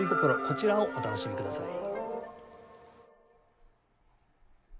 こちらをお楽しみください。